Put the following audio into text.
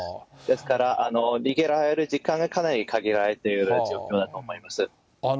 ですから、逃げられる時間がかなり限られている状況だと思います。